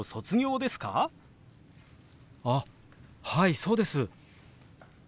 あっはいそうです！